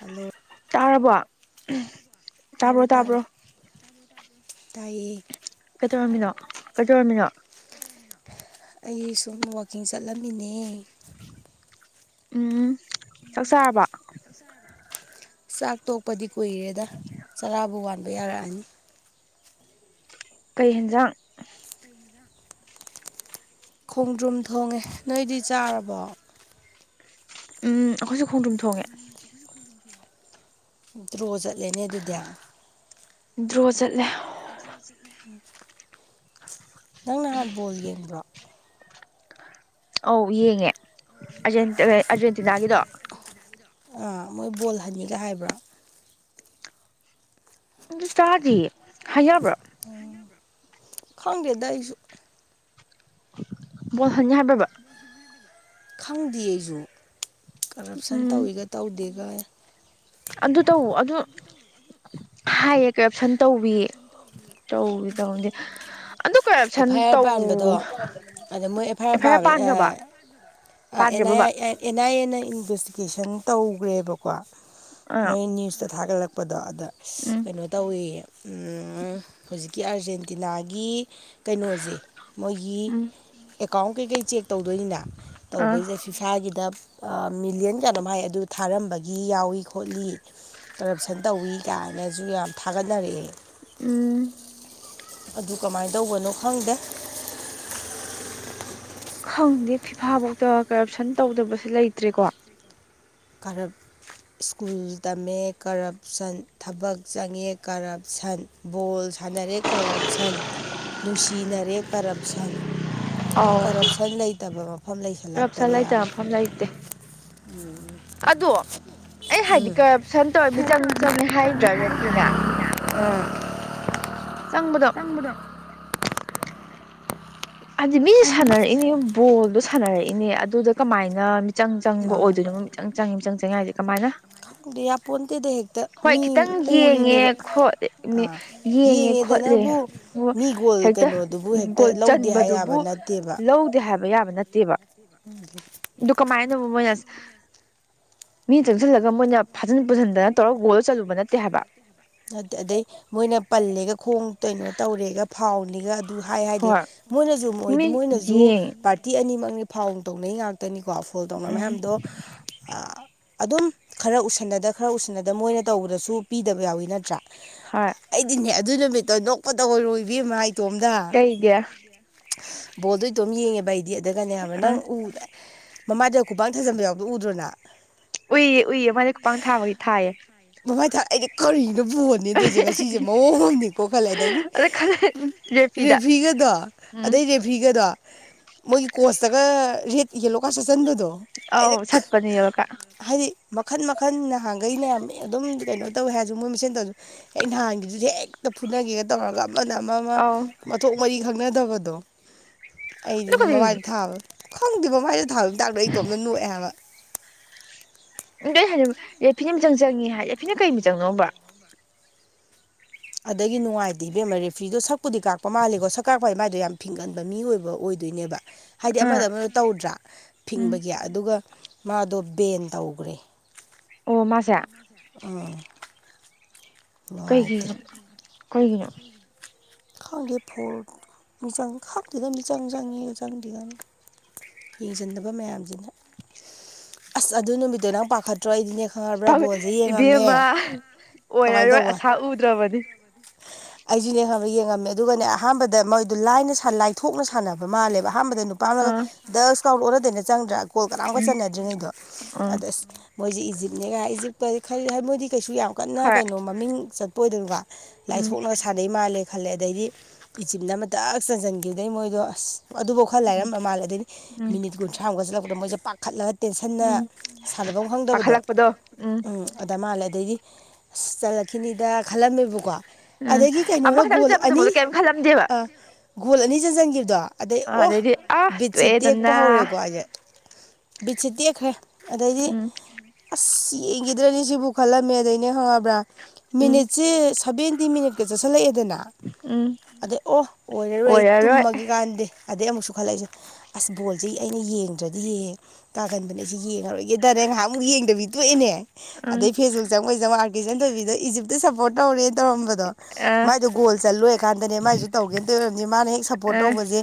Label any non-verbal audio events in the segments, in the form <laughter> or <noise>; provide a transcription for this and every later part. hello ꯇꯥꯔꯕꯣ ꯇꯥꯕ꯭ꯔꯣ ꯇꯥꯔꯦ ꯇꯥꯔꯦ ꯇꯥꯕ꯭ꯔꯣ ꯇꯥꯏꯌꯦ ꯀꯩꯗꯧꯔꯝꯃꯤꯅꯣ ꯀꯩꯗꯧꯔꯝꯃꯤꯅꯣ ꯑꯩ ꯁꯨꯝ ꯋꯥꯛꯀꯤꯡ ꯆꯠꯂꯝꯃꯤꯅꯦ ꯎꯝ ꯆꯥꯛ ꯆꯥꯔꯕꯣ ꯆꯥꯛ ꯇꯣꯛꯄꯗꯤ ꯀꯨꯏꯔꯦꯗ ꯆꯔꯥꯕꯨ ꯋꯥꯟꯕ ꯌꯥꯔꯛꯑꯅꯤ ꯀꯩ ꯍꯦꯟꯖꯥꯡ ꯈꯣꯡꯗ꯭ꯔꯨꯝ ꯊꯣꯡꯉꯦ ꯅꯣꯏꯗꯤ ꯆꯥꯔꯕꯣ ꯎꯝ ꯑꯩꯈꯣꯏꯁꯨ ꯈꯣꯡꯗ꯭ꯔꯨꯝ ꯊꯣꯡꯉꯦ ꯗ꯭ꯔꯣ ꯆꯠꯂꯦꯅꯦ ꯑꯗꯨꯗꯤ ꯗ꯭ꯔꯣ ꯆꯠꯂꯦ ꯗ꯭ꯔꯣꯆꯂꯦ ꯅꯪ ꯅꯍꯥꯟ ꯕꯣꯜ ꯌꯦꯡꯕ꯭ꯔꯣ ꯑꯧ ꯌꯦꯡꯉꯦ ꯑꯔꯖꯦꯟ ꯀꯩ ꯑꯔꯖꯦꯟꯇꯤꯅꯥꯒꯤꯗꯣ ꯑꯥ ꯃꯣꯏ ꯕꯣꯜ ꯍꯟꯅꯤꯒ ꯍꯥꯏꯕ꯭ꯔꯣ ꯑꯗꯨ ꯇꯥꯗꯤꯌꯦ ꯍꯥꯏꯅꯕ꯭ꯔꯣ ꯈꯪꯗꯦꯗ ꯑꯩꯁꯨ ꯕꯣꯜ ꯍꯟꯅꯤ ꯍꯥꯏꯕ꯭ꯔꯕ ꯈꯪꯗꯦ ꯑꯩꯁꯨ ꯀꯔꯞꯁꯟ ꯎꯝ ꯇꯧꯏꯒ ꯇꯧꯗꯦꯒ ꯑꯗꯨ ꯇꯧ ꯑꯗꯨ ꯍꯥꯏꯌꯦ ꯀꯔꯞꯁꯟ ꯇꯧꯏ ꯇꯧꯏ ꯇꯧꯗꯦ ꯑꯗꯨ ꯑꯗꯨ ꯀꯔꯞꯁꯟ ꯑꯦꯐ ꯑꯥꯏ ꯑꯥꯔ ꯇꯧ ꯄꯥꯟꯕꯗꯣ ꯑꯗ ꯃꯣꯏ ꯑꯦꯐ ꯑꯥꯏ ꯑꯥꯔ ꯄꯥꯟꯈꯕ ꯑꯦꯟꯥꯏ ꯑꯥꯏ ꯑꯦꯟ ꯑꯥꯏ ꯑꯦꯅ ꯏꯟꯚꯦꯁꯇꯤꯒꯦꯁꯟ ꯇꯧꯈ꯭ꯔꯦꯕꯀꯣ ꯑꯥ ꯃꯣꯏ ꯅ꯭ꯌꯨꯁꯇ ꯊꯥꯒꯠꯂꯛꯄꯗꯣ ꯑꯗ ꯎꯝ ꯀꯩꯅꯣ ꯇꯧꯋꯦꯌꯦ ꯍꯧꯖꯤꯛꯀꯤ ꯑꯥꯔꯖꯦꯟꯇꯤꯅꯥꯒꯤ ꯀꯩꯅꯣꯁꯦ ꯃꯣꯏꯒꯤ ꯎꯝ ꯑꯦꯀꯥꯎꯟ ꯀꯩꯀꯩ ꯆꯦꯛ ꯇꯧꯗꯣꯏꯅꯤꯅ ꯑꯥ ꯇꯧꯕꯩ ꯁꯤꯗ ꯐꯤꯐꯥꯒꯤꯗ ꯃꯤꯂꯤꯌꯟ ꯀꯌꯤꯅꯣꯝ ꯍꯥꯏ ꯑꯗꯨ ꯊꯥꯔꯝꯕꯒꯤ ꯌꯥꯎꯏ ꯈꯣꯠꯂꯤ ꯀꯔꯞꯁꯟ ꯇꯧꯋꯤ ꯀꯥꯏꯅꯁꯨ ꯌꯥꯝ ꯊꯥꯒꯠꯅꯔꯛꯑꯦ ꯎꯝ ꯑꯗꯨ ꯀꯃꯥꯏꯅ ꯇꯧꯕꯅꯣ ꯈꯪꯗꯦ ꯈꯪꯗꯦ ꯐꯤꯐꯥꯐꯧꯗ ꯀꯔꯞꯁꯟ ꯇꯧꯗꯕꯁꯦ ꯂꯩꯇ꯭ꯔꯦꯀꯣ <unintelligible> ꯁ꯭ꯀꯨꯜ ꯇꯝꯃꯦ ꯀꯔꯞꯁꯟ ꯊꯕꯛ ꯆꯪꯉꯦ ꯀꯔꯞꯁꯟ ꯕꯣꯜ ꯁꯥꯟꯅꯔꯦ ꯀꯔꯞꯁꯟ ꯅꯨꯡꯁꯤꯅꯔꯦ ꯀꯔꯞꯁꯟ ꯑꯧ ꯀꯔꯞꯁꯟ ꯂꯩꯇꯕ ꯃꯐꯝ ꯀꯔꯞꯁꯟ ꯂꯩꯁꯜꯂꯛꯇꯔꯦ ꯂꯩꯇ ꯌꯥꯝ ꯃꯐꯝ ꯂꯩꯇꯦ ꯎꯝ ꯑꯗꯣ ꯑꯩ ꯍꯥꯏꯗꯤ ꯀꯔꯞꯁꯟ ꯇꯧꯔ ꯃꯤꯆꯪ ꯆꯪꯉꯦ ꯍꯥꯏꯗ꯭ꯔꯥ ꯔꯤꯐ꯭ꯔꯤꯅ <unintelligible> ꯆꯪꯕꯗꯣ ꯎꯕꯗꯣ <unintelligible> ꯍꯥꯏꯗꯤ ꯃꯤꯁꯦ ꯁꯥꯟꯅꯔꯛꯏꯅꯦ ꯕꯣꯜꯗꯣ ꯁꯥꯟꯅꯔꯛꯏꯅꯦ ꯑꯗꯨꯗ ꯀꯃꯥꯏꯅ ꯃꯤꯆꯪ ꯆꯪꯕ ꯃꯥꯅꯤ ꯑꯣꯏꯗꯣꯏꯅꯣ ꯃꯤꯆꯪ ꯆꯪꯏ ꯃꯤꯆꯪ ꯆꯪꯏ ꯍꯥꯏꯁꯦ ꯀꯃꯥꯏꯅ ꯈꯪꯗꯦ ꯌꯥꯄꯣꯟꯇꯦꯗ ꯍꯦꯛꯇ ꯍꯣꯏ ꯃꯤ ꯈꯤꯇꯪ ꯌꯦꯡꯉꯦ ꯎꯔꯤꯅꯦꯕ ꯈꯣꯠ ꯑꯥ ꯌꯦꯡꯉꯦ ꯈꯣꯠꯂꯦ ꯌꯦꯡꯉꯦꯗꯅꯕꯨ ꯃꯤꯒꯣꯜ ꯍꯦꯛꯇ ꯀꯩꯅꯣꯗꯨꯕꯨ ꯍꯦꯛꯇ ꯒꯣꯜ ꯆꯟ ꯂꯧꯗꯦ ꯍꯥꯏ ꯕꯗꯨꯕꯨ ꯌꯥꯕ ꯂꯧꯗꯦ ꯍꯥꯏꯕ ꯌꯥꯕ ꯅꯠꯇꯦꯕ ꯎꯝ <unintelligible> ꯗꯨ ꯀꯃꯥꯏꯅꯅꯣꯕ ꯃꯣꯏꯁ ꯃꯤꯅ ꯆꯪꯁꯤꯜꯂꯒ ꯃꯣꯏꯅ ꯐꯥꯖꯤꯟ ꯄꯨꯁꯤꯟꯗꯅ ꯇꯧꯔꯒ ꯒꯣꯜꯗꯨ ꯆꯟꯂꯨꯕ ꯅꯠꯇꯦ ꯍꯥꯏꯕ ꯑꯗꯩ ꯃꯣꯏꯅ ꯄꯜꯂꯦꯒ ꯈꯣꯡ ꯀꯩꯅꯣ ꯇꯧꯔꯦꯒ ꯐꯥꯎꯟꯅꯤꯒ ꯑꯗꯨ ꯍꯥꯏ ꯍꯥꯏꯗꯤ ꯍꯣꯏ ꯃꯣꯏꯅꯁꯨ ꯃꯣꯏ ꯃꯤ ꯃꯣꯏꯅꯁꯨ ꯌꯦꯡꯉꯦ ꯄꯥꯔꯇꯤ ꯑꯅꯤꯃꯛꯅꯤ ꯐꯥꯎꯟ ꯇꯧꯅꯩ ꯉꯥꯛꯇ ꯈꯛꯇꯅꯤꯀꯣ ꯐꯣꯟ ꯇꯧꯅ ꯎꯝ ꯃꯌꯥꯝꯗꯣ ꯑꯗꯨꯝ ꯈꯔ ꯎꯁꯟꯅꯗ ꯈꯔ ꯎꯁꯟꯅꯗ ꯃꯣꯏꯅ ꯇꯧꯕꯗꯁꯨ ꯄꯤꯗꯕ ꯌꯥꯎꯋꯤ ꯅꯠꯇ꯭ꯔꯥ ꯍꯣꯏ ꯑꯩꯗꯤꯅꯦ ꯑꯗꯨ ꯅꯨꯃꯤꯠꯇꯣ ꯅꯣꯛꯄꯗ <unintelligible> ꯏꯕꯦꯝꯃ ꯍꯥꯏ ꯀꯩꯒꯤ ꯕꯣꯜꯗꯣ ꯏꯇꯣꯝ ꯌꯦꯡꯉꯦꯕ ꯑꯩꯗꯤ ꯑꯗꯨꯒꯅꯦ ꯍꯥꯏꯕ ꯅꯪ ꯎ ꯃꯃꯥꯏꯗꯣ ꯈꯨꯨꯕꯥꯛꯅ ꯊꯥꯖꯟꯕ ꯌꯥꯎꯕꯗꯣ ꯎꯗ꯭ꯔꯣ ꯅꯪ ꯎꯏꯌꯦ ꯎꯏꯌꯦ ꯃꯥꯗꯤ ꯈꯨꯄꯥꯡ ꯊꯥꯕꯒꯤ ꯊꯥꯏꯌꯦ <unintelligible> ꯃꯃꯥꯏ ꯊꯥꯏ ꯑꯩꯗꯤ ꯀꯔꯤꯅꯣ ꯕꯣꯜ <unintelligible> ꯉꯁꯤꯁꯦ ꯃꯑꯣꯡ ꯑꯃꯅꯤꯀꯣ ꯈꯜꯂꯦ ꯑꯗꯒꯤ ꯑꯗ ꯈꯜꯂꯦ ꯎꯝ ꯔꯦꯐꯤꯗ ꯔꯦꯐ꯭ꯔꯤꯒꯗꯣ ꯎꯝ ꯑꯗꯩ ꯔꯦꯐꯔꯤꯒꯗꯣ ꯃꯣꯏꯒꯤ ꯀꯣꯆꯇꯒ ꯔꯦꯠ ꯌꯦꯂꯣꯀ꯭ꯔꯥꯗ ꯁꯠꯆꯟꯕꯗꯣ ꯑꯥꯎ ꯑꯩꯗ ꯁꯠꯄꯅꯤ ꯌꯣꯂꯣ ꯀ꯭ꯔꯥꯗ ꯍꯥꯏꯗꯤ ꯃꯈꯟ ꯃꯈꯟ ꯅꯍꯥꯟꯈꯩꯅꯦ ꯑꯗꯨꯝ ꯀꯩꯅꯣ ꯇꯧꯋꯦ ꯍꯥꯏꯔꯁꯨ ꯃꯣꯏ ꯃꯁꯦꯟ ꯇꯧꯔꯁꯨ ꯑꯩ ꯅꯍꯥꯟꯒꯤꯗꯨꯁꯨ ꯍꯦꯛꯇ ꯐꯨꯅꯒꯦꯒ ꯇꯧꯔꯒ ꯑꯃꯅ ꯑꯃ ꯑꯃ ꯑꯧ ꯃꯊꯣꯡ ꯃꯔꯤ ꯈꯪꯅꯗꯕꯗꯣ ꯑꯗꯨ ꯑꯩꯗꯤꯅꯦ ꯃꯃꯥꯏꯗ ꯀꯩꯗꯩ ꯊꯥꯕꯗꯣ ꯈꯪꯗꯦꯕ ꯃꯥꯏꯗ ꯊꯥꯕ ꯃꯇꯥꯡꯗꯣ ꯑꯩ ꯏꯇꯣꯝꯇ ꯅꯣꯛꯑꯦ ꯍꯥꯏꯕ <unintelligible> ꯔꯦꯐ꯭ꯔꯤꯅ ꯃꯤꯆꯪ ꯆꯪꯉꯤ ꯍꯥꯏ ꯔꯦꯐ꯭ꯔꯤꯅ ꯀꯩ ꯃꯤꯆꯪꯅꯣꯕ ꯑꯗꯒꯤ ꯅꯨꯡꯉꯥꯏꯇꯦ ꯏꯕꯦꯝꯃ ꯔꯦꯐ꯭ꯔꯤꯗꯣ ꯁꯛꯄꯨꯗꯤ ꯀꯥꯛꯄ ꯃꯥꯜꯂꯤꯀꯣ ꯁꯛ ꯀꯥꯛꯄ ꯍꯥꯏ ꯃꯥꯏꯗꯣ ꯌꯥꯝ ꯐꯤꯡꯒꯟꯕ ꯃꯤ ꯑꯣꯏꯕ ꯑꯣꯏꯗꯣꯏꯅꯦꯕ ꯍꯥꯏꯗꯤ ꯑ ꯑꯃꯗ ꯑꯃꯗ ꯇꯧꯗ꯭ꯔꯥ ꯎꯝ ꯐꯤꯡꯕꯒꯤ ꯑꯗꯨꯒ ꯃꯥꯗꯣ ꯕꯦꯟ ꯇꯧꯒ꯭ꯔꯦ ꯑꯣ ꯃꯥꯁꯦ ꯑꯥ ꯀꯩꯒꯤꯅꯣ ꯀꯩꯒꯤꯅꯣ ꯈꯪꯗꯦ ꯐꯣꯜ ꯃꯤꯆꯪ ꯈꯪꯗꯦꯗ ꯃꯤꯆꯪ ꯆꯪꯉꯦꯒ ꯆꯪꯗꯦꯒ ꯌꯦꯡꯁꯤꯟꯗꯕ ꯃꯌꯥꯝꯁꯤꯅ ꯑꯁ ꯑꯗꯨ ꯅꯨꯃꯤꯠꯇꯣ ꯅꯪ ꯄꯥꯈꯠꯇ꯭ꯔꯣ ꯑꯩꯗꯤꯅꯦ ꯈꯪꯉꯔꯕ꯭ꯔꯥ ꯕꯣꯜꯁꯦ ꯌꯦꯡꯉꯝꯃꯦ ꯏꯕꯦꯝꯃ ꯀꯃꯥꯏ ꯑꯣꯏꯔꯔꯣꯏ ꯇꯧꯕ ꯑꯁꯥ ꯎꯗ꯭ꯔꯕꯅꯤ ꯑꯩꯁꯨꯅꯦ ꯈꯪꯕ ꯌꯦꯡꯉꯝꯃꯦ ꯑꯗꯨꯒꯅꯦ ꯑꯍꯥꯟꯕꯗ ꯃꯣꯏꯗ ꯂꯥꯏꯅ ꯂꯥꯏꯊꯣꯛꯅ ꯁꯥꯟꯅꯕ ꯃꯥꯜꯂꯦꯕ ꯑꯍꯥꯟꯕꯗ ꯑꯥ <unintelligible> ꯗꯛꯁ ꯀꯥꯎꯕꯗꯣ ꯑꯣꯟꯅ ꯇꯧꯅ ꯆꯪꯗ꯭ꯔꯥ ꯒꯣꯜ ꯀꯅꯥꯝꯀ ꯎꯝ ꯆꯟꯅꯗ꯭ꯔꯤꯉꯩꯗꯣ ꯑꯥ ꯑꯗ ꯑꯁ ꯃꯣꯏꯁꯤ ꯏꯖꯤꯞꯅꯦꯒ ꯏꯖꯤꯞꯇ ꯈꯟꯅꯦ ꯃꯣꯏꯗꯤ ꯀꯩꯁꯨ ꯌꯥꯝ ꯀꯟꯅ ꯍꯣꯏ ꯀꯩꯅꯣ ꯃꯃꯤꯡ ꯆꯠ <unintelligible> ꯂꯥꯏ ꯎꯝ ꯑꯩꯈꯣꯏ ꯁꯥꯟꯅꯩ ꯃꯥꯜꯂꯦ ꯈꯜꯂꯦ ꯑꯗꯩꯗꯤ ꯏꯆꯤꯞꯅ ꯑꯃꯇꯛ ꯆꯟꯁꯤꯟꯈꯤꯗꯩ ꯃꯣꯏꯗꯣ ꯑꯁ ꯑꯗꯨꯐꯥꯎ ꯈꯔ ꯎꯝ ꯂꯥꯏꯔꯝꯕ ꯃꯥꯜꯂꯦ ꯑꯗꯩꯅꯤ ꯎꯝ ꯃꯤꯅꯤꯠ ꯀꯨꯟꯊ꯭ꯔꯥꯃꯨꯛꯀ ꯆꯠꯂꯛꯄꯗ ꯃꯣꯏꯁꯦ ꯄꯥꯈꯠꯂꯒ ꯇꯦꯟꯁꯟꯅ ꯁꯥꯟꯅꯕ ꯈꯪꯗꯕꯗ ꯊꯜꯂꯛꯄꯗꯣ ꯎꯝ ꯎꯝ ꯑꯗ ꯃꯥꯜꯂꯦ ꯑꯗꯩꯗꯤ ꯑꯁ ꯆꯠꯂꯛꯈꯤꯅꯤꯗ ꯈꯜꯂꯝꯃꯦꯕꯀꯣ ꯎꯝ ꯑꯗꯒꯤ ꯀꯩꯅꯣꯅ ꯑꯃꯈꯛꯇꯪ ꯒꯣꯜ ꯑꯅꯤ ꯆꯠꯄꯗꯨꯕꯨꯗ ꯀꯩꯝ ꯈꯜꯂꯝꯗꯦꯕ ꯒꯣꯜ ꯑꯅꯤ ꯆꯟꯁꯤꯟꯈꯤꯕꯗꯣ ꯑꯗꯩ ꯑ ꯑꯣ ꯑꯗꯩꯗꯤ ꯑ ꯕꯤꯠꯁꯦ ꯇꯦꯛꯄ ꯇꯣꯛꯑꯦꯗꯅ ꯍꯧꯔꯦꯀꯣ ꯑꯩꯁꯦ ꯕꯤꯠꯁꯦ ꯇꯦꯛꯈ꯭ꯔꯦ ꯑꯗꯩꯗꯤ ꯎꯝ ꯑꯁ ꯌꯦꯡꯈꯤꯗ꯭ꯔꯅꯤ ꯁꯤꯕꯨ ꯈꯜꯂꯝꯃꯦ ꯑꯗꯩꯅꯦ ꯈꯪꯉꯕ꯭ꯔꯥ ꯎꯝ ꯃꯤꯅꯤꯠꯁꯦ ꯁꯚꯦꯟꯇꯤ ꯃꯤꯅꯤꯠ <unintelligible> ꯆꯠꯁꯤꯜꯂꯛꯑꯦꯗꯅ ꯎꯝ ꯑꯗꯩ ꯑꯣ ꯑꯣꯏꯔꯔꯣꯏ ꯑꯩ ꯇꯨꯝꯃꯒꯦ ꯀꯥꯟꯅꯗꯦ ꯑꯗꯩ ꯑꯃꯨꯛꯁꯨ ꯈꯜꯂꯛꯏꯁꯦ ꯑꯁ ꯕꯣꯜꯁꯦ ꯑꯩꯅ ꯌꯦꯡꯗ꯭ꯔꯗꯤ ꯌꯦꯍꯦ ꯇꯥꯒꯟꯕꯅꯦ ꯁꯤ ꯌꯦꯡꯉꯔꯣꯏꯒꯦꯗꯅꯦ ꯉꯥꯏꯍꯥꯛꯃꯨꯛ ꯌꯦꯡꯗꯕꯤꯗ ꯇꯣꯛꯑꯅꯦ ꯑꯗꯩ ꯎꯝ ꯐꯦꯁꯕꯨꯛ ꯆꯪꯉꯣꯏ ꯆꯪꯉ ꯑꯥꯔ ꯀꯦ ꯏꯆꯟꯊꯣꯏꯕꯤꯗꯣ ꯏꯖꯤꯞꯇ ꯁꯞꯄꯣꯔꯠ ꯇꯧꯔꯦ ꯇꯧꯔꯝꯕꯗꯣ ꯑꯥ ꯃꯥꯏꯗꯣ ꯒꯣꯜ ꯆꯜ ꯂꯣꯏꯔꯀꯥꯟꯗꯅꯦ ꯃꯥꯏꯁꯨ ꯇꯧꯒꯦꯅ ꯇꯧ ꯑꯣꯏꯔꯝꯅꯤ ꯃꯥꯅ ꯍꯦꯛ ꯁꯞꯄꯣꯔꯠ ꯑꯥ ꯇꯧꯕꯁꯦ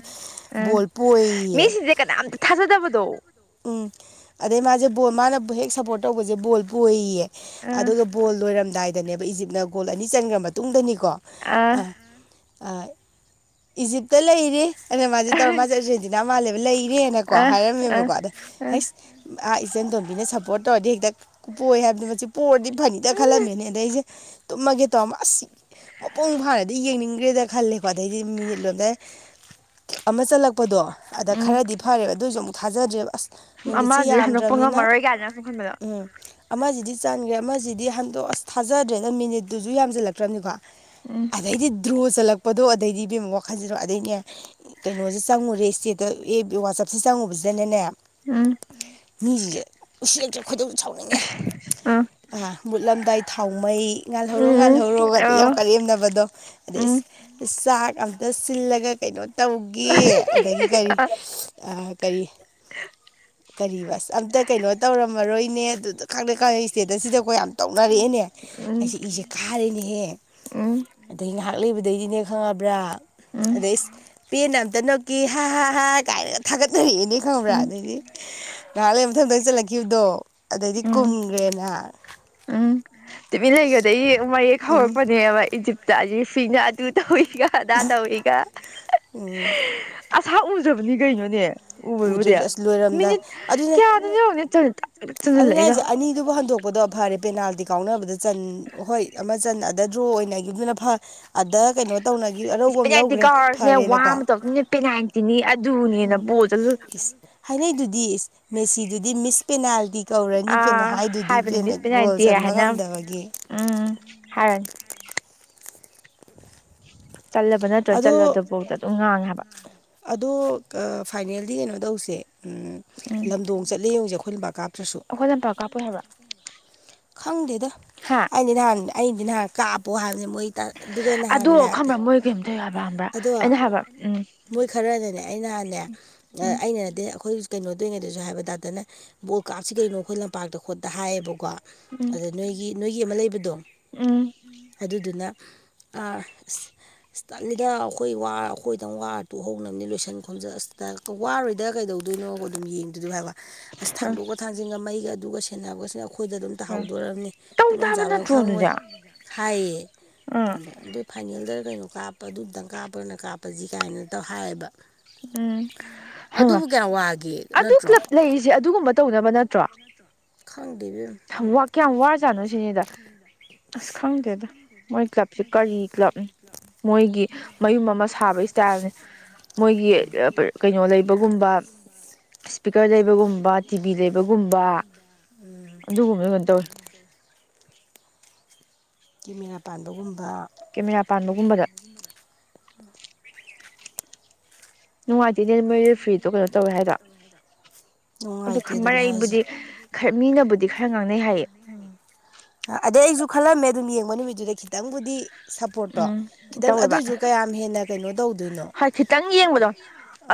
ꯑꯥ ꯕꯣꯜ ꯄꯣꯏꯌꯦ ꯃꯤꯁꯤꯡꯁꯦ ꯀꯅꯥꯝꯇ ꯊꯥꯖꯗꯕꯗꯣ ꯎꯝ ꯑꯗꯩ ꯃꯥꯁꯦ ꯕꯣꯜ ꯃꯥꯅ ꯍꯦꯛ ꯁꯞꯄꯣꯔꯠ ꯇꯧꯕꯁꯦ ꯕꯣꯜ ꯄꯣꯏꯌꯦꯌꯦ ꯑꯥ ꯑꯗꯨꯒ ꯕꯣꯜ ꯂꯣꯏꯔꯝꯗꯥꯏꯗꯅꯦꯕ ꯏꯖꯤꯞꯅ ꯒꯣꯜ ꯑꯅꯤ ꯆꯟꯒ꯭ꯔ ꯃꯇꯨꯡꯗꯅꯤꯀꯣ ꯑꯥ <unintelligible> ꯏꯖꯤꯞꯇ ꯂꯩꯔꯤ ꯑꯗꯨꯅ ꯃꯥꯗꯤ ꯇꯧꯔ ꯃꯥ ꯑꯥ ꯆꯠꯂꯁ꯭ꯔꯦꯗꯤꯅ ꯃꯥꯜꯂꯦꯕ ꯂꯩ ꯏꯔꯦꯅꯀꯣ ꯑꯥ ꯍꯥꯏꯔꯝꯃꯦꯕꯀꯣ ꯑꯗ ꯑꯥ ꯍꯁ ꯑꯥ ꯏꯆꯟ ꯇꯣꯝꯕꯤꯅ ꯁꯞꯄꯣꯔꯠ ꯇꯧꯔꯗꯤ ꯍꯦꯛꯇ ꯀꯨꯞꯄꯣꯛꯣꯏ ꯍꯥꯏꯕꯅꯤ ꯃꯁꯤ ꯄꯣꯔꯗꯤ ꯐꯅꯤꯗ ꯈꯜꯂꯝꯃꯦꯅꯦ ꯑꯗꯩꯁꯦ ꯇꯨꯝꯃꯒꯦ ꯇꯧꯔ ꯑꯁ ꯃꯄꯨꯡ ꯐꯥꯅꯗꯤ ꯌꯦꯡꯅꯤꯡꯈ꯭ꯔꯦꯗ ꯈꯜꯂꯦꯀꯣ ꯑꯗꯩꯗꯤ ꯃꯤꯅꯤꯠ ꯂꯣꯝꯗꯥꯏ ꯑꯃ ꯆꯠꯂꯛꯄ ꯀꯛꯄꯗꯣ ꯑꯗ ꯎꯝ ꯈꯔꯗꯤ ꯐꯔꯦꯕ ꯑꯗꯨꯑꯣꯏꯁꯨ ꯑꯃꯨꯛ ꯊꯥꯖꯗ꯭ꯔꯦꯕ ꯑꯁ ꯃꯤꯅꯤꯠꯁꯦ ꯑꯃꯗꯨꯗꯤ ꯍꯟꯗꯣꯛꯄ ꯌꯥꯝꯗ꯭ꯔꯕꯅꯤꯅ ꯉꯝꯃꯔꯣꯏ ꯀꯥꯏꯗꯅ ꯁꯨꯝ ꯈꯟꯕꯗꯣ ꯎꯝ ꯑꯃꯁꯤꯗꯤ ꯆꯥꯟꯈ꯭ꯔꯦ ꯑꯃꯁꯤꯗꯤ ꯍꯟꯗꯣꯛ ꯑꯁ ꯊꯥꯖꯗ꯭ꯔꯦꯅ ꯃꯤꯅꯤꯠꯇꯨꯁꯨ ꯌꯥꯝꯁꯤꯜꯂꯛꯇ꯭ꯔꯕꯅꯤꯀꯣ ꯎꯝ ꯑꯗꯩꯗꯤ ꯗ꯭ꯔꯣ ꯆꯜꯂꯛꯄꯗꯣ ꯑꯗꯩꯗꯤꯕꯦꯝꯃ ꯋꯥꯈꯜꯁꯤꯂꯣ ꯑꯗꯩꯅꯦ ꯀꯩꯅꯣꯁꯦ ꯆꯪꯉꯨꯔꯦ ꯏꯁꯇꯦ ꯋꯥꯆꯞꯁꯦ ꯆꯪꯉꯨꯕꯁꯤꯗꯅꯅꯦ <unintelligible> ꯃꯤꯁꯤꯡꯁꯦ ꯎꯁꯤꯔꯛꯇ꯭ꯔꯦ ꯈꯣꯏꯗꯧ ꯁꯥꯎꯅꯤꯡꯉꯦ ꯑꯥ ꯑ ꯃꯨꯠꯂꯝꯗꯥꯏ ꯊꯥꯎꯃꯩ ꯉꯥꯜꯍꯧꯔꯣ ꯉꯥꯜ ꯎꯝ ꯊꯧꯔꯣꯒꯗ ꯌꯥꯝ ꯑꯣ ꯀꯔꯦꯝꯅꯕꯗꯣ ꯑꯗꯩ ꯎꯝ ꯆꯥꯛ ꯑꯝꯇ ꯁꯤꯜꯂꯒ ꯀꯩꯅꯣ ꯇꯧꯒꯦ ꯑꯗꯒꯤ ꯀꯔꯤ ꯀꯔꯤ <inaudible> ꯀꯔꯤ ꯕꯁ ꯑꯝꯇ ꯀꯩꯅꯣ ꯇꯧꯔꯝꯃꯔꯣꯏꯅꯦ ꯑꯗꯨꯗ ꯈꯪꯗꯩ ꯈꯪꯗꯩ ꯏꯁꯇꯦꯠ ꯑꯁꯤꯗꯀꯣ ꯌꯥꯝ ꯇꯧꯅꯔꯛꯑꯦꯅꯦ <inaudible> ꯊꯥꯔꯦꯅꯦꯍꯦ ꯎꯝ ꯑꯗꯩ ꯉꯥꯏꯍꯥꯛ ꯂꯩꯕꯗꯩꯗꯤꯅꯦ ꯈꯪꯉꯕ꯭ꯔꯥ ꯎꯝ ꯑꯗꯩ ꯄꯦꯟꯅ ꯑꯝꯇ ꯅꯣꯛꯀꯤ ꯍꯥ ꯍꯥ ꯍꯥ ꯀꯥꯏꯅꯒ ꯊꯥꯒꯠꯅꯔꯤꯛꯏ ꯈꯪꯕ꯭ꯔꯥ ꯎꯝ ꯑꯗꯩꯗꯤ ꯉꯥꯏꯍꯥꯛ ꯂꯩ ꯃ ꯃꯇꯝꯗ ꯆꯠꯂꯛꯈꯤꯕꯗꯣ ꯑꯗꯩꯗꯤ ꯎꯝ ꯀꯨꯝꯈ꯭ꯔꯦꯅ ꯎꯝ ꯇꯤꯕꯤ ꯂꯩꯒꯗ ꯃꯌꯦꯛ ꯎꯝ ꯍꯧꯔꯛꯄꯅꯦꯕ ꯏꯖꯤꯞ ꯆꯥꯖꯤ ꯐꯤꯅ ꯇꯨ ꯇ ꯍꯏꯒ ꯑꯗꯥ ꯇ ꯑꯣꯏꯏꯒ ꯎꯝ ꯑꯁꯥ ꯎꯖꯕꯅꯤ ꯀꯩꯅꯣꯅꯦ ꯎꯗ꯭ꯔꯦ ꯎꯕꯕꯨꯗ ꯑꯁ ꯃꯤꯅꯤ ꯂꯣꯏꯔꯝꯗꯥꯏ ꯀꯌꯥꯗꯅꯤꯅꯦ ꯆꯇꯥ ꯑꯗꯨꯅ ꯑꯩꯁꯦ ꯑꯅꯤꯗꯨꯕꯨ ꯍꯟꯗꯣꯛꯄꯗꯣ ꯐꯔꯦ ꯄꯦꯅꯥꯜꯇꯤ ꯀꯥꯎꯅꯕꯗ ꯆꯟ ꯍꯣꯏ ꯆꯟ ꯑꯗ ꯗ꯭ꯔꯣ ꯑꯣꯏꯅꯈꯤꯕꯗꯨꯅ ꯐ ꯑꯗ ꯀꯩꯅꯣ ꯇꯧꯅꯒꯤ ꯑꯔꯧꯕ ꯑꯃ ꯂꯧꯈ꯭ꯔꯦ ꯐꯔꯦꯅꯀꯣ ꯄꯦꯅꯥꯟꯇꯤꯅꯤ ꯑꯗꯨꯅꯦꯅ ꯕꯣꯠꯇꯁꯨ ꯏꯁ ꯍꯥꯏꯅꯩꯗꯨꯗꯤ ꯃꯦꯁꯤꯗꯨꯗꯤ ꯃꯤꯁ ꯄꯦꯅꯥꯜꯇꯤ ꯇꯧꯔꯅꯤ ꯐꯦꯅ ꯑꯥ ꯍꯥꯏꯗꯨꯗꯤ ꯍꯥꯏꯕꯅꯤ ꯐꯦꯅ ꯃꯤꯁ ꯒꯣꯜ ꯄꯦꯅꯥꯜꯇꯤ ꯆꯟꯕ ꯍꯥꯏꯅ ꯉꯝꯗꯕꯒꯤ ꯎꯝ ꯍꯥꯏꯔꯅꯤ ꯆꯜꯂꯕ ꯅꯠꯇ꯭ꯔ ꯑꯗꯣ ꯆꯠꯂꯗꯕꯐꯥꯎꯗ ꯑꯗꯨꯝ ꯉꯥꯡꯉꯦꯕ ꯑꯗꯣ ꯐꯥꯏꯅꯦꯜꯗꯤ ꯀꯩꯅꯣ ꯇꯧꯁꯦ ꯎꯝ ꯂꯝꯗꯣꯡ ꯆꯠꯂꯦ ꯌꯦꯡꯉꯨꯁꯦ ꯑꯩꯈꯣꯏ ꯂꯝꯕꯥ ꯀꯥꯞ ꯇ꯭ꯔꯤꯁꯨ ꯑꯩꯈꯣꯏ ꯌꯥꯝꯝꯇꯥꯎ ꯀꯥꯞꯄꯣꯏ ꯍꯥꯏꯕ ꯈꯪꯗꯦꯗꯣ ꯍꯥ ꯑꯩꯗꯤ ꯅꯍꯥꯟ ꯑꯩꯗꯤ ꯅꯍꯥꯟ ꯀꯥꯞꯄꯣ ꯍꯥꯏꯕꯅꯦ ꯃꯣꯏ ꯑꯗꯨꯒ ꯑꯗꯣ ꯅꯍꯥꯟꯅꯦ ꯈꯪꯕ꯭ꯔꯥ ꯃꯣꯏ ꯀꯩꯝ ꯇꯧꯌꯨ ꯍꯥꯏꯕ ꯍꯕ꯭ꯔꯥ ꯑꯗꯣ ꯑꯩꯅ ꯍꯥꯏꯕ ꯎꯝ ꯃꯣꯏ ꯈꯔꯅꯅꯦ ꯑꯩ ꯅꯍꯥꯟꯅꯦ ꯎꯝ ꯑꯩꯅ ꯅꯗꯤ ꯑꯩꯈꯣꯏ ꯀꯩꯅꯣꯗꯣꯏꯔꯤꯉꯩꯗꯁꯨ ꯍꯥꯏꯕ ꯗꯥꯛꯇꯅ ꯕꯣꯜ ꯀꯥꯞꯁꯤ ꯀꯩꯅꯣ ꯑꯩꯈꯣꯏ ꯂꯝꯄꯥꯛꯇ ꯈꯣꯠꯇ ꯍꯥꯏꯌꯦꯕꯀꯣ ꯎꯝ ꯑꯗ ꯅꯣꯏꯒꯤ ꯅꯣꯏꯒꯤ ꯑꯃ ꯂꯩꯕꯗꯣ ꯎꯝ ꯑꯗꯨꯗꯨꯅ ꯑ ꯂꯤꯗ ꯑꯩꯈꯣꯏ ꯑꯩꯈꯣꯏꯗꯪ ꯋꯥꯔ ꯇꯨꯍꯧꯅꯕꯅꯤ ꯂꯣꯏꯁꯟ ꯈꯣꯝꯖꯟ ꯑꯁꯤ ꯋꯥꯔꯣꯏꯗ ꯀꯩꯗꯧ ꯑꯗꯨꯣꯏꯅꯣ ꯑꯗꯨꯝ ꯌꯦꯡꯗꯗꯂ ꯑꯁ ꯎꯝ ꯊꯥꯡꯗꯣꯛꯑ ꯊꯥꯡꯖꯟꯒ ꯃꯩꯒ ꯑꯗꯨꯒ ꯁꯦꯟꯅꯕꯁꯤꯅ ꯑꯩꯈꯣꯏꯗ ꯑꯗꯨꯝ ꯎꯝ ꯇꯥꯍꯧꯗꯣꯔꯕꯅꯤ ꯇꯧ ꯇꯐꯝ ꯇꯥꯕ ꯆꯥꯐꯝ ꯅꯠꯇ꯭ꯔꯣ ꯈꯪꯉꯣꯏ ꯑꯗꯨꯗꯤ ꯍꯥꯏꯌꯦ ꯎꯝ ꯑꯗ ꯑꯗꯨ ꯐꯥꯏꯅꯦꯜꯗ ꯀꯩꯅꯣ ꯀꯥꯞꯄ ꯑꯗꯨꯇꯪ ꯀꯥꯞꯄ꯭ꯔꯅ ꯀꯥꯞꯄꯁꯤ ꯀꯥꯏꯅ ꯇꯧ ꯍꯥꯏꯌꯦꯕ ꯎꯝ ꯍꯩꯃꯥ ꯑꯗꯨꯕꯨ ꯀꯌꯥꯝ ꯋꯥꯒꯦ ꯑꯗꯨ ꯅꯠꯇ꯭ꯔꯣ ꯀ꯭ꯂꯞ ꯂꯩꯔꯤꯁꯦ ꯑꯗꯨꯒꯨꯝꯕ ꯇꯧꯅꯕ ꯅꯠꯇ꯭ꯔꯣ ꯈꯪꯗꯦ ꯏꯕꯦꯝꯃ ꯀꯌꯥꯝ ꯋꯥꯔꯖꯥꯠꯅꯣ ꯁꯤꯅꯤꯗ ꯑꯁ ꯈꯪꯗꯦꯗ ꯃꯣꯏ ꯀ꯭ꯂꯕꯁꯦ ꯀꯔꯤ ꯀ꯭ꯂꯕꯅꯤ ꯃꯣꯏꯒꯤ ꯃꯌꯨꯝ ꯑꯃ ꯁꯥꯕ ꯏꯁꯇꯥꯏꯜꯅꯤ ꯃꯣꯏꯒꯤ ꯀꯩꯅꯣ ꯂꯩꯕꯒꯨꯝꯕ ꯁꯄꯤꯀꯔ ꯂꯩꯕꯒꯨꯝꯕ ꯇꯤꯚꯤ ꯂꯩꯕꯒꯨꯝꯕ ꯑꯗꯨꯒꯨꯝꯕ ꯀꯩꯅꯣ ꯇꯧꯋꯤ ꯀꯤ ꯃꯤꯔꯥ ꯄꯥꯟꯕꯒꯨꯝꯕ ꯀꯦꯃꯦꯔꯥ ꯄꯥꯟꯕꯒꯨꯝꯕꯗ ꯅꯨꯡꯉꯥꯏꯇꯦꯅꯦ ꯃꯣꯏꯔꯦ ꯐ꯭ꯔꯤꯗꯣ ꯀꯩꯅꯣ ꯇꯧꯋꯦ ꯍꯥꯏꯗꯣ ꯑꯣ ꯅꯨꯡꯉꯥꯏꯇꯦ ꯈ ꯃꯔꯔ ꯑꯗꯨꯅꯦ ꯍꯥꯏꯁꯦ ꯑꯩꯕꯨꯗꯤ ꯈꯔ ꯃꯤꯅꯕꯨꯗꯤ ꯈꯔ ꯉꯥꯡꯅꯩ ꯍꯥꯏꯌꯦ ꯑꯗꯩ ꯑꯩꯁꯨ ꯈꯜꯂꯝꯃꯦ ꯑꯗꯨꯝ ꯌꯦꯡꯕ ꯅꯨꯃꯤꯠꯇꯨꯗ ꯈꯤꯇꯪꯕꯨꯗꯤ ꯁꯞꯄꯣꯔꯠꯇꯣ ꯎꯝ ꯈꯤꯇꯪ ꯑꯗꯨꯑꯣꯏꯁꯨ ꯀꯌꯥꯝ ꯍꯦꯟꯅ ꯀꯩꯅꯣ ꯇꯧꯗꯣꯏꯅꯣ ꯍꯥꯏ ꯈꯤꯇꯪ ꯌꯦꯡꯕꯗꯣ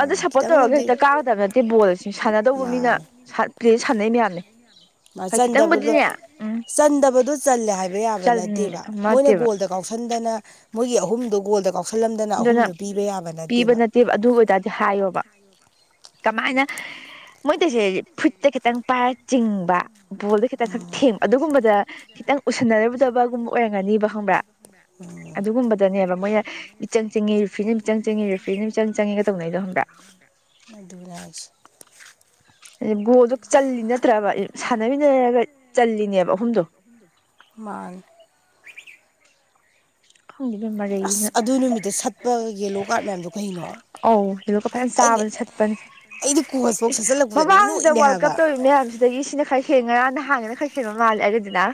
ꯑꯗꯣ ꯁꯞꯄꯣꯔꯠ ꯇꯧꯔꯒ ꯈꯤꯇꯪꯕꯨꯗꯤ ꯍꯦꯛꯇ ꯀꯥꯒꯗꯕ ꯅꯠꯇꯦ ꯕꯣꯜ ꯑꯁꯤ ꯁꯥꯟꯅꯗꯧꯕ ꯃꯤꯅ ꯃꯥꯅꯦ ꯄ꯭ꯂꯦ ꯁꯥꯟꯅꯩ ꯃꯌꯥꯝꯅꯦ ꯃꯥ ꯍꯣꯏ ꯆꯟꯗꯕꯗꯣ ꯈꯤꯇꯪꯕꯨꯗꯤꯅꯦ ꯎꯝ ꯆꯟꯗꯕꯗꯣ ꯆꯜꯂꯦ ꯍꯥꯏꯕ ꯌꯥꯕ ꯆꯟ ꯅꯠꯇꯦꯕ ꯑꯃ ꯃꯣꯏꯅ ꯅꯠꯇꯦꯕ ꯒꯣꯜꯗ ꯀꯥꯎꯁꯟꯗꯅ ꯃꯣꯏꯒꯤ ꯑꯍꯨꯝꯗꯨꯣ ꯒꯣꯜꯗ ꯀꯥꯎꯁꯜꯂꯝꯗꯅ ꯑꯍꯨꯝꯗꯣ ꯄꯤꯕ ꯌꯥꯕ ꯅꯠꯇꯦꯕ ꯠꯇꯦꯕ ꯑꯗꯨ ꯑꯣꯏꯇꯥꯔꯗꯤ ꯍꯥꯏꯌꯣꯕ ꯀꯃꯥꯏꯅ ꯃꯣꯏꯗꯁꯦ ꯐꯨꯠꯇ ꯈꯤꯇꯪ ꯄꯥꯏꯔ ꯆꯤꯡꯕ ꯕꯣꯜꯗ ꯈꯤꯇꯪ ꯈꯪ ꯊꯦꯡ ꯑꯗꯨꯒꯨꯝꯕꯗ ꯈꯤꯇꯪ ꯎꯁꯤꯟꯅꯔꯨꯗꯕꯒꯨꯝꯕ ꯑꯣꯏꯔꯝꯒꯅꯤꯕ ꯈꯪꯕ꯭ꯔꯥ ꯑꯗꯨꯒꯨꯝꯕꯗꯅꯦꯕ ꯃꯣꯏꯅ ꯃꯤꯆꯪ ꯆꯤꯡꯉꯤ ꯐꯤ ꯆꯪ ꯆꯪꯉꯦꯔꯤ꯭ꯖ ꯅꯨꯃꯤꯆꯪꯉꯦ ꯇꯧꯅꯗꯣꯕ꯭ꯔꯥ ꯨꯅꯥ ꯑ ꯒꯣꯗꯣ ꯆ ꯅꯠꯇ꯭ꯔꯕ ꯁꯥꯟꯅꯃꯤꯟꯅꯔꯒ ꯆꯜꯂꯤꯅꯦꯕ ꯑꯍꯨꯝꯗꯣ ꯃꯥꯥꯡ ꯐꯪꯕꯦꯝꯔꯦ ꯑꯁ ꯑꯗꯨ ꯅꯨꯃꯤꯠꯇ ꯁꯠꯄ ꯌꯦꯂꯣ ꯀꯥꯔꯠ ꯃꯌꯥꯝꯗꯣ ꯀꯩꯅꯣ ꯑꯧ ꯑꯗꯨꯒ ꯐꯖꯅ ꯑꯩꯗꯤ ꯆꯥꯕꯗ ꯁꯠꯄꯅꯦ ꯑꯩꯗꯤ ꯀꯣꯆꯐꯧ ꯏꯁ ꯁꯠꯆꯜꯂꯛꯄꯗꯗꯤ ꯃꯃꯥꯡꯁꯤꯗ ꯅꯣꯛꯏꯅꯦ ꯋꯥꯔꯜ ꯀꯞ ꯍꯥꯏꯕ ꯇꯧꯋꯤ ꯃꯌꯥꯝꯁꯤꯗ ꯑꯗꯒꯤ ꯁꯤꯅ ꯈꯔ ꯍꯦꯡꯉꯔꯥ ꯅꯍꯥꯟꯉꯅ ꯈꯔ ꯍꯦꯡꯕ ꯃꯥꯜꯂꯦ ꯑꯗꯨꯗꯨꯅ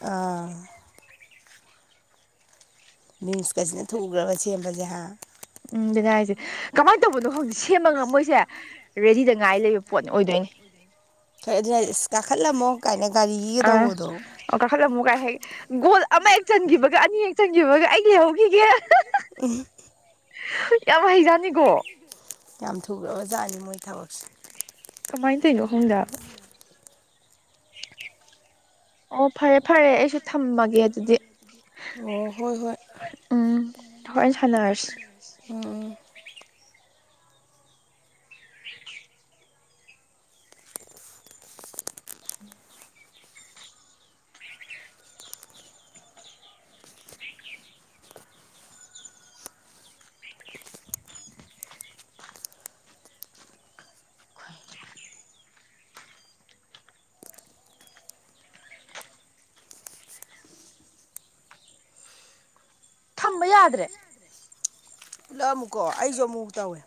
ꯑꯥ ꯕꯤꯟꯁꯀꯁꯤꯅ ꯊꯨꯈ꯭ꯔꯕ ꯁꯦꯝꯕꯁꯦ ꯍꯥ ꯎꯝ ꯕꯤꯅ ꯍꯥꯏꯁꯦ ꯀꯃꯥꯏꯅ ꯇꯧꯕꯅꯣ ꯍꯧꯖꯤꯛ ꯁꯦꯝꯕ ꯉꯝꯃꯣꯏꯁꯦ ꯔꯦꯗꯤꯗ ꯉꯥꯏ ꯂꯩꯕ ꯄꯣꯠꯅꯤ ꯑꯣꯏꯗꯣꯏꯅꯦ ꯍꯣꯏ ꯑꯗꯨꯅ ꯑꯁ ꯀꯥꯈꯠꯂꯝꯃꯣ ꯀꯥꯏꯅ ꯒꯥꯔꯤꯒ ꯑꯥ ꯇꯧꯕꯗꯣ ꯑꯣ ꯀꯥꯈꯠ ꯑꯃꯨꯛ ꯀꯥꯏ ꯍꯦꯛ ꯒꯣꯜ ꯑꯃ ꯍꯦꯛ ꯆꯟꯈꯤꯕꯒ ꯑꯅꯤ ꯍꯦꯛ ꯆꯟꯈꯤꯕꯒ ꯑꯩ ꯂꯩꯍꯧꯈꯤꯒꯦ ꯎꯝ ꯌꯥꯝ ꯍꯩꯖꯅꯤꯀꯣ ꯌꯥꯝ ꯊꯨꯒꯕ ꯖꯥꯠꯅꯤ ꯃꯣꯏ ꯊꯕꯛꯁꯦ ꯀꯃꯥꯏ ꯇꯩꯅꯣ ꯍꯣꯗꯕ ꯑꯣ ꯐꯔꯦ ꯐꯔꯦ ꯑꯩꯁꯨ ꯊꯝꯃꯒꯦ ꯑꯗꯨꯗꯤ ꯑꯣ ꯍꯣꯏ ꯍꯣꯏ ꯎꯝ ꯍꯣꯏ ꯁꯂꯁ ꯎꯝ ꯎꯝ <inaudible> ꯊꯝꯕ ꯌꯥꯗ꯭ꯔꯦ ꯄꯨꯂꯛꯑ ꯑꯃꯨꯀꯣ ꯑꯩꯁꯨ ꯑꯃꯨꯛ ꯇꯧꯋꯦ